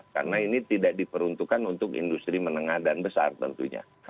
karena ini tidak diperuntukkan untuk industri menengah dan besar tentunya